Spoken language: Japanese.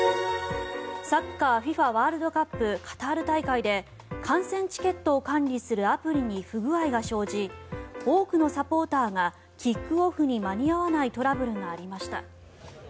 サッカーＦＩＦＡワールドカップカタール大会で観戦チケットを管理するアプリに不具合が生じ多くのサポーターがキックオフに間に合わないトラブルがありました。